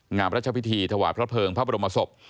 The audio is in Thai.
งามรัชพิธีถวายพระเภิงพระบรมศพ